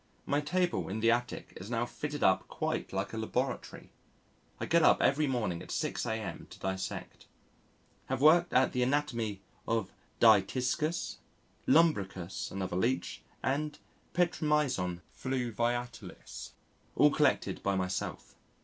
My table in the Attic is now fitted up quite like a Laboratory. I get up every morning at 6 a.m. to dissect. Have worked at the Anatomy of Dytiscus, Lumbricus, another Leech, and Petromyzon fluviatilis all collected by myself.